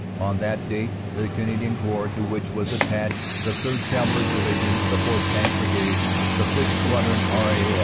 "On that date the Canadian Corps to which was attached the 3rd. Cavalry Division, the 4th. Tank Brigade, the Sth. Squadron, R.A.